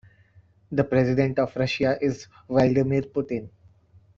The president of Russia is Vladimir Putin.